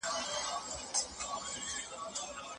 د بهرنیو اړیکو په مدیریت کي ستونزي نه سته.